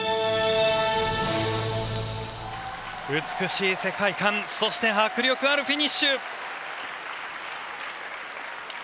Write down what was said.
美しい世界観そして、迫力あるフィニッシュ。